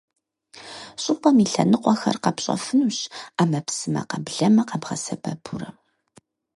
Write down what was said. ЩӀыпӀэм и лъэныкъуэхэр къэпщӀэфынущ Ӏэмэпсымэ — къэблэмэ къэбгъэсэбэпурэ.